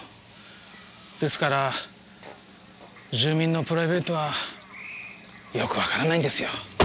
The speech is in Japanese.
ですから住民のプライベートはよくわからないんですよ。